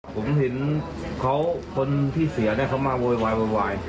ผมเห็นคนที่เสียเขามาโวยวายโวยวาย